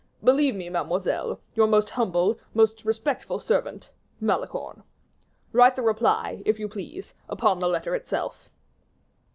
Believe me, mademoiselle, your most humble, most respectful servant, "MALICORNE. "Write the reply, if you please, upon the letter itself."